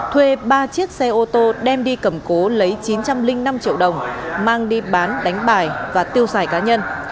thuê ba chiếc xe ô tô đem đi cầm cố lấy chín trăm linh năm triệu đồng mang đi bán đánh bài và tiêu xài cá nhân